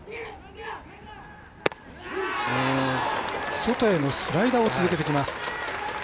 外へのスライダーを続けてきます。